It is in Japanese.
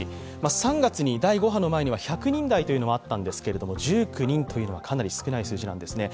３月に第５波の前には１００人台もあったんですが、１９人というのはかなり少ない数字なんですね。